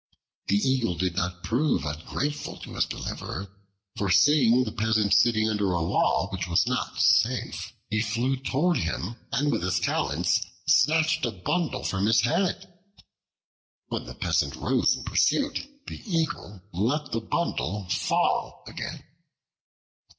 The Eagle did not prove ungrateful to his deliverer, for seeing the Peasant sitting under a wall which was not safe, he flew toward him and with his talons snatched a bundle from his head. When the Peasant rose in pursuit, the Eagle let the bundle fall again.